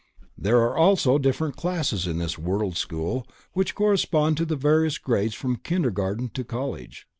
There are also different classes in this world school which correspond to the various grades from kindergarten to college.